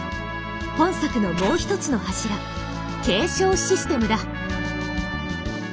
本作のもう一つの柱「継承システム」だ。